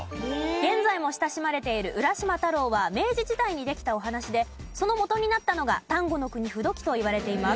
現在も親しまれている『浦島太郎』は明治時代にできたお話でその元になったのが『丹後国風土記』といわれています。